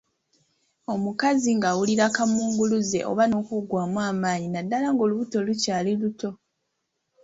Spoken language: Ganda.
Omukazi ng'awulira kaamunguluze oba n'okuggwaamu amaanyi naddala ng'olubuto lukyali luto.